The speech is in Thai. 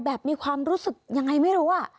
แบบมีความรู้สึกอย่างไรไม่รู้อ่ะ